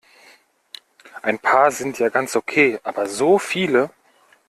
Ein paar sind ja ganz okay, aber so viele?